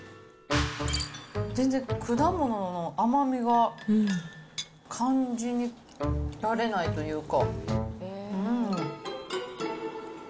全然果物の甘みが感じられないというか。